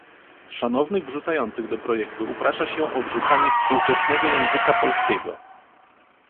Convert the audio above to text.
Szanownych wrzucających do projektu uprasza się o wrzucanie współczesnego języka polskiego.